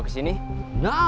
kami sudah mencari penyelesaian